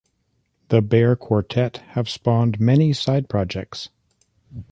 The Bear Quartet have spawned many side projects.